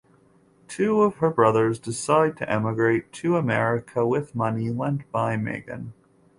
Two of her brothers decide to emigrate to America with money lent by Megan.